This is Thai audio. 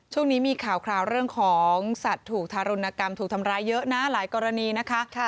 ช่วงนี้มีข่าวเรื่องของสัตว์ถูกทารุณกรรมถูกทำร้ายเยอะนะหลายกรณีนะคะ